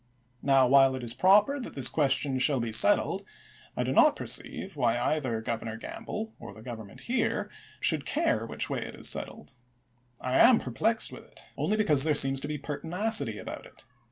Now, while it is proper that this question shall be settled, I do not perceive why either Governor Gamble, or the Government here, should care which way it is settled, I am perplexed with it only because there seems to be pertinacity about it.